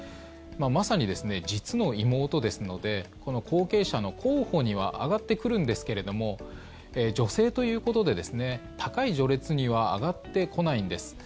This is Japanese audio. まさに実の妹ですのでこの後継者の候補には挙がってくるんですけれども女性ということで高い序列には上がってこないんです。